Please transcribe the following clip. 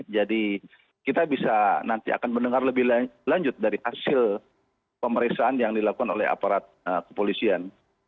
jadi kita bisa nanti akan mendengar lebih lanjut dari hasil pemeriksaan yang dilakukan oleh aparat kepolisian